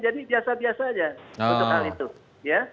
jadi biasa biasa aja